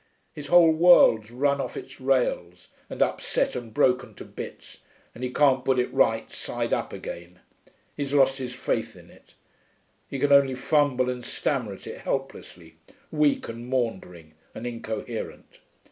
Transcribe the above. His whole world's run off its rails and upset and broken to bits, and he can't put it right side up again; he's lost his faith in it. He can only fumble and stammer at it helplessly, weak and maundering and incoherent.